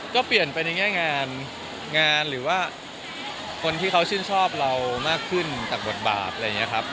ก็เปลี่ยนไปในแง่งานงานหรือว่าคนที่เขาชื่นชอบเรามากขึ้นจากบทบาทอะไรอย่างนี้ครับ